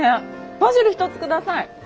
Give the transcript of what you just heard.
バジル１つ下さい！